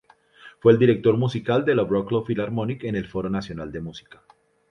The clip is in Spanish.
Fue el director musical de la Wroclaw Philharmonic en el Foro Nacional de Música.